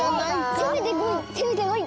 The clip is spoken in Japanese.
せめて５い！